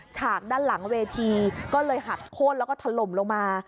ฉากด้านหลังเวทีก็เลยหักโค้นแล้วก็ถล่มลงมา